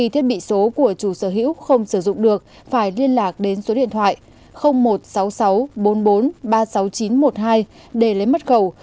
thì số của chủ sở hữu không sử dụng được phải liên lạc đến số điện thoại một sáu sáu bốn bốn ba sáu chín một hai để lấy mật khẩu